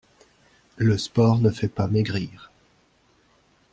Le sport ne fait pas maigrir.